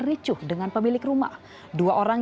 ricuh dengan pemilik rumah dua orang